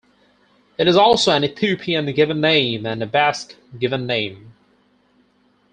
It is also an Ethiopian given name and a Basque given name.